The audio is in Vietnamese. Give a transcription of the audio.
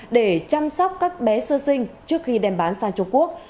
để chăm sóc các bé sơ sinh trước khi đem bán sang trung quốc